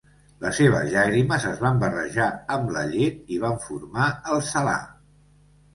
Les seves llàgrimes es van barrejar amb la llet i van formar el Salar.